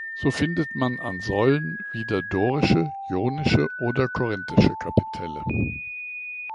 So findet man an Säulen wieder dorische, ionische oder korinthische Kapitelle.